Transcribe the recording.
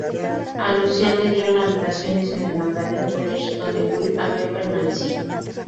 A Lucian le dieron habitaciones en el Magdalen College donde Wilde había permanecido.